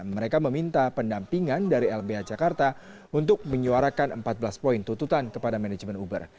mereka meminta pendampingan dari lbh jakarta untuk menyuarakan empat belas poin tuntutan kepada manajemen uber